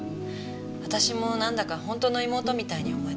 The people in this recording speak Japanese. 私もなんだか本当の妹みたいに思えて。